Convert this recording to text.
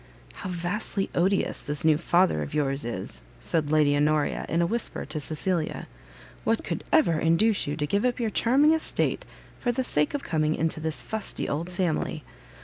"How vastly odious this new father of yours is!" said Lady Honoria, in a whisper to Cecilia; "what could ever induce you to give up your charming estate for the sake of coming into this fusty old family!